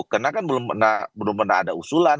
karena kan belum pernah ada usulan